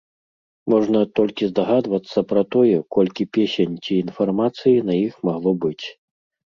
Можна толькі здагадвацца пра тое, колькі песень ці інфармацыі на іх магло быць.